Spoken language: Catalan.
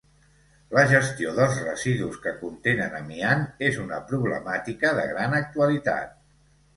La gestió dels residus que contenen amiant és una problemàtica de gran actualitat.